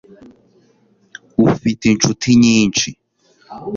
ufite inshuti nyinshi